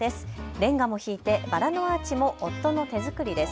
れんがもひいて、バラのアーチも夫の手作りです。